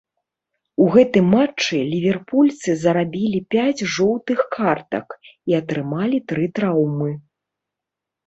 У гэтым матчы ліверпульцы зарабілі пяць жоўтых картак і атрымалі тры траўмы.